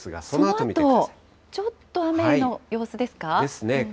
そのあと、ちょっと雨の様子ですか？ですね。